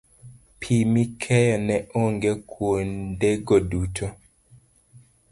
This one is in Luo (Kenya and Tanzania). Pi mikeyo ne onge kuondego duto